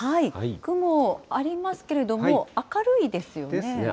雲、ありますけれども、明るいですよね。ですね。